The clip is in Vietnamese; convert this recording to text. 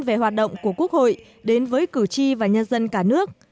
về hoạt động của quốc hội đến với cử tri và nhân dân cả nước